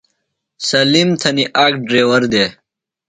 سالِم تھنیۡ آک ڈریور دےۡ۔